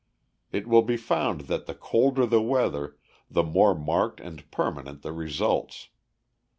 It will be found that the colder the weather, the more marked and permanent the results.